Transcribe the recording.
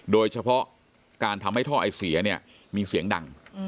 โดยเฉพาะการทำให้ท่อไอเสียเนี่ยมีเสียงดัง